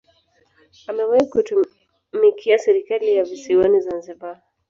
Amewahi kutumikia serikali ya visiwani Zanzibar